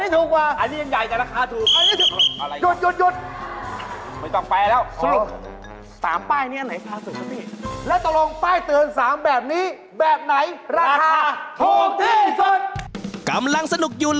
ต่อไปเปลี่ยนวิธีใหม่ไม่ต้องพูด